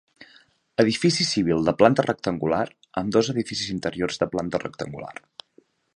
Edifici civil de planta rectangular, amb dos edificis interiors de planta rectangular.